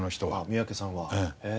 三宅さんは？へえ。